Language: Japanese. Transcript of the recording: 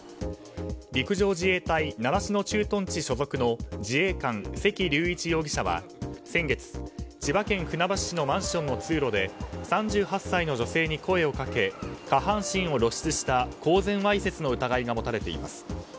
陸上自衛隊習志野駐屯地所属の自衛官関龍一容疑者は先月千葉県船橋市のマンションの通路で３８歳の女性に声をかけ下半身を露出した公然わいせつの疑いが持たれています。